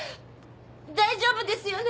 大丈夫ですよね？